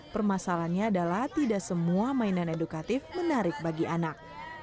permasalahannya adalah tidak semua mainan edukatif menarik bagi anak